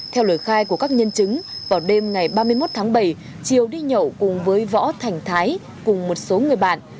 theo lời khai của các nhân chứng vào đêm ngày ba mươi một tháng bảy triều đi nhậu cùng với võ thành thái cùng một số người bạn